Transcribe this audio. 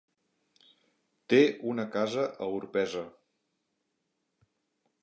Té una casa a Orpesa.